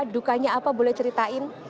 dukanya apa boleh ceritain